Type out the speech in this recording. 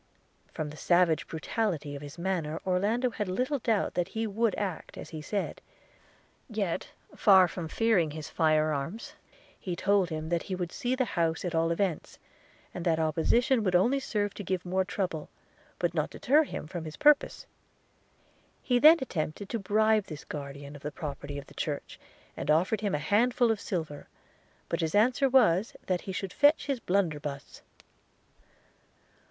From the savage brutality of his manner, Orlando had little doubt but that he would act as he said: yet, far from fearing his fire arms, he told him that he would see the house at all events, and that opposition would only serve to give more trouble, but not deter him from his purpose. He then attempted to bribe this guardian of the property of the church, and offered him a handful of silver: but his answer was, that he should fetch his blunderbuss.